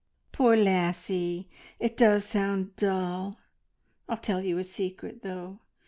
"Poor lassie! It does sound dull. I'll tell you a secret, though.